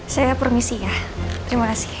saya permisi ya terima kasih